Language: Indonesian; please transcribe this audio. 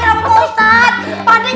ya allah pak ustaz